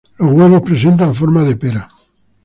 Los huevos presentan forma de pera.